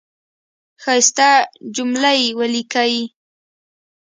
ښایسته جملی ولیکی